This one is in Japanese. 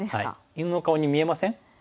犬の顔に見えません？